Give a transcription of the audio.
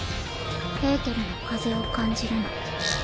エーテルの風を感じるの。